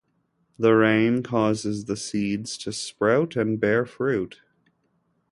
The rain causes the seeds to sprout and bear fruit.